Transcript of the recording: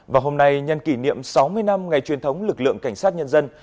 và hôm nay nhân kỷ niệm sáu mươi năm ngày truyền thống lực lượng cảnh sát nhân dân